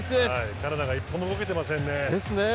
カナダが一歩も動けてませんね。